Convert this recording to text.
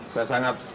saya sangat berharap